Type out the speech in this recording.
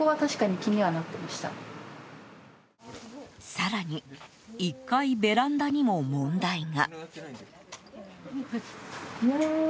更に１階ベランダにも問題が。